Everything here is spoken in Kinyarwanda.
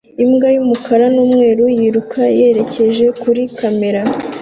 Imbwa y'umukara n'umweru yiruka yerekeza kuri kamera